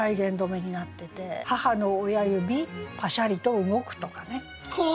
「母の親指パシャリと動く」とかね。